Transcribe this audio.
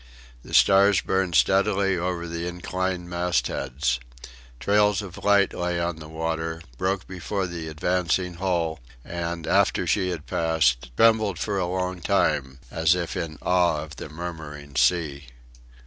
The stars burned steadily over the inclined mastheads. Trails of light lay on the water, broke before the advancing hull, and, after she had passed, trembled for a long time as if in awe of the murmuring sea.